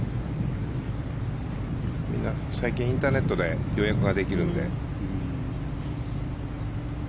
最近インターネットで予約ができるんで。